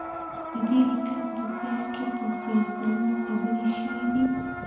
د دې لیکنې په پیل کې په فولکلور خبرې شوې دي